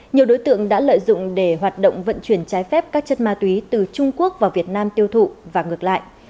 nhiều đối tượng đã lợi dụng để hoạt động vận chuyển trái phép các chất ma túy từ trung quốc vào việt nam tiêu thụ và ngược lại